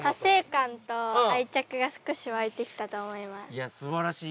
いやすばらしい。